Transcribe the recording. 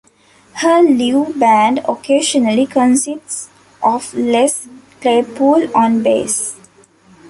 Her live band occasionally consists of Les Claypool on bass.